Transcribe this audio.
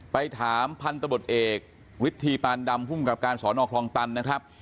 ไปถามพันธบทเอกวิธีปานดำภูมิกับการสอนอคลองตันนะครับ